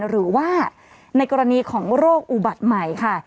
หรือว่าในกรณีของโรคอุบัติใหม่ค่ะ